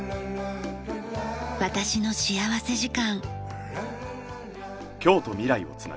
『私の幸福時間』。